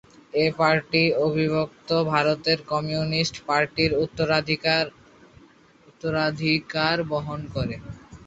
এ party অবিভক্ত ভারতের communist পার্টির উত্তরাধিকার বহন করে।